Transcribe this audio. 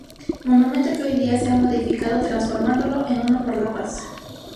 Monumento que hoy día se ha modificado transformándolo en uno por la paz.